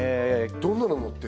どんなの持ってるの？